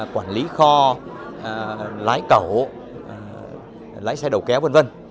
quản lý kho lái cầu lái xe đầu kéo v v